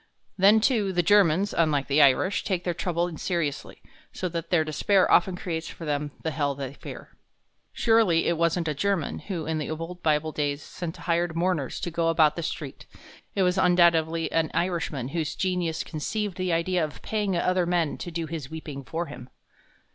Then, too, the Germans, unlike the Irish, take their trouble seriously, so that their despair often creates for them the hell they fear. Surely it wasn't a German who in the old Bible days sent hired mourners to go about the street; it was undoubtedly an Irishman whose genius conceived the idea of paying other men to do his weeping for him.